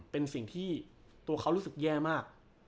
เป็นสิ่งที่ตัวเขารู้สึกแย่มาก